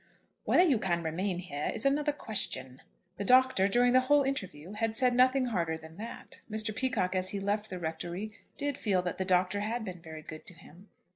"Whether you can remain here is another question." The Doctor, during the whole interview, had said nothing harder than that. Mr. Peacocke, as he left the rectory, did feel that the Doctor had been very good to him.